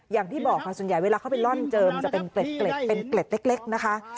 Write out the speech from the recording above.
อย่างที่บอกค่ะส่วนใหญ่เวลาเขาไปร่อนเจิมจะเป็นเกล็ดเป็นเกล็ดเล็กนะคะ